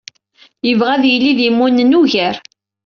Yebɣa ad yili d imunen ugar.